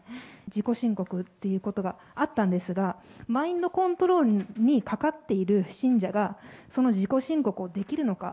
自己申告っていうことがあったんですが、マインドコントロールにかかっている信者が、その自己申告をできるのか。